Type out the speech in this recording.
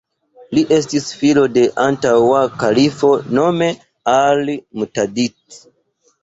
Li estis filo de la antaŭa kalifo, nome al-Mu'tadid.